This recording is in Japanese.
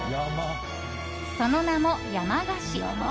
その名も山菓子。